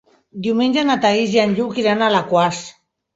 Diumenge na Thaís i en Lluc iran a Alaquàs.